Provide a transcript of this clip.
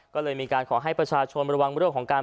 ก็เลยมีการขอให้ประชาชนระวังเรื่องของการ